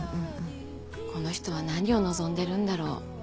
この人は何を望んでるんだろう。